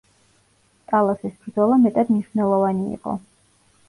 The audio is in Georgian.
ტალასის ბრძოლა მეტად მნიშვნელოვანი იყო.